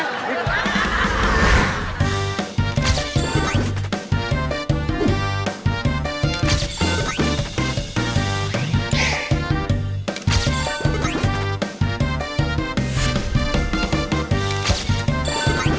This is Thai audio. รุลภารคมศาสตร์ปลายจากกอนไกล